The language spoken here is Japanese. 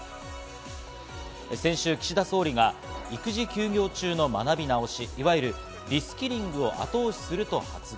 先週、岸田総理が育児休業中の学び直し、いわゆるリスキリングを後押しすると発言。